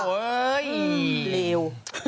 รีว